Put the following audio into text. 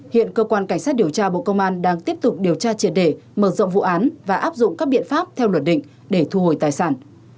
hiện cơ quan cảnh sát điều tra bộ công an đang tiếp tục điều tra triệt đề mở rộng vụ án và áp dụng các biện pháp theo luật định để thu hồi tài sản